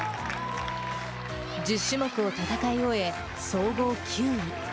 １０種目を戦い終え、総合９位。